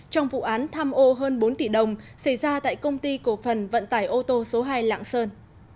trong vụ án tham ô hơn bốn tỷ đồng xảy ra tại công ty cổ phần vận tải ô tô số hai lạng sơn